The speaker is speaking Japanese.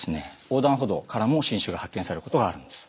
横断歩道からも新種が発見されることがあるんです。